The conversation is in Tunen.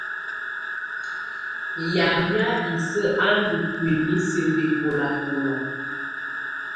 Yamɛ̀á isǝ́ á ndù ntuinyii siǝ́ bɛkɔlakɔla.